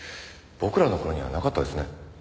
僕らの頃にはなかったですね。